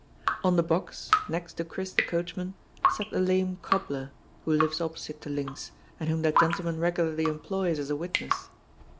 On the box, next to Chris the coachman, sat the lame cobbler, who lives opposite to Linx, and whom that gentle man regularly employs as a witness.